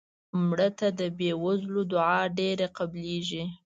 مړه ته د بې وزلو دعا ډېره قبلیږي